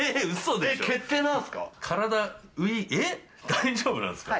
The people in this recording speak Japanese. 大丈夫なんですか？